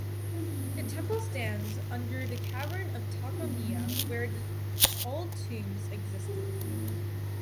The temple stands under the cavern of Takamiya where the old tombs existed.